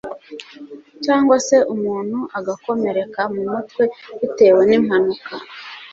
cyangwa se umuntu agakomereka mu mutwe bitewe n'impanuka,